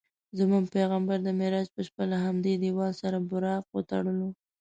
زموږ پیغمبر د معراج په شپه له همدې دیوال سره براق وتړلو.